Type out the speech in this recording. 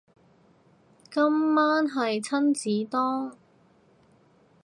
今晚係親子丼